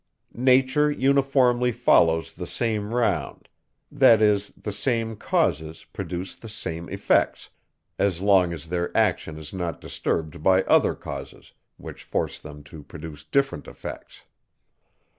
Nature uniformly follows the same round; that is, the same causes produce the same effects, as long as their action is not disturbed by other causes, which force them to produce different effects.